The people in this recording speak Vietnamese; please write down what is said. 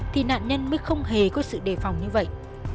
thì nạn nhân mới không hề có sự đề phòng như vậy